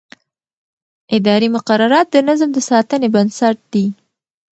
اداري مقررات د نظم د ساتنې بنسټ دي.